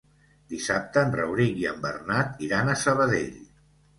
Dissabte en Rauric i en Bernat iran a Sabadell.